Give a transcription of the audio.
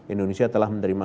indonesia telah menerima